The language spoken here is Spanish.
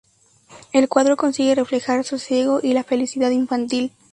El cuadro consigue reflejar sosiego y la felicidad infantil.